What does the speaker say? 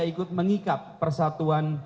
bisa ikut mengikap persatuan